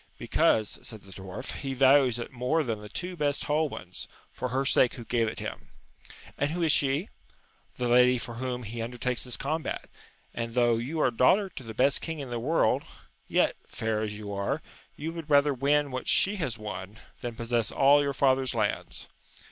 Because, said the dwarf, he values it more than the two best whole ones, for her sake who gave it him. — ^And who is she ?— The lady for whom he undertakes this combat, and though you are daughter to the best king in the world, yet, fair as you are, you would rather win what she has won, than possess all your father's lands.